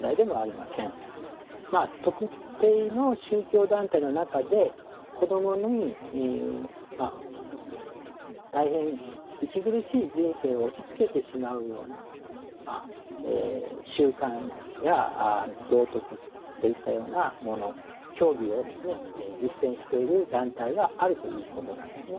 まあ特定の宗教団体の中で子どもに大変息苦しい人生を押しつけてしまうような習慣や道徳といったようなもの教義を実践している団体があるということなんですね。